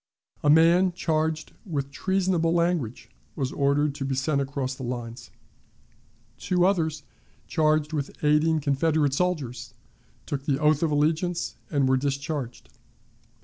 A man, charged with treasonable language, was ordered to be sent across the lines. Two others, charged with aiding Confederate soldiers, took the oath of allegiance and were discharged.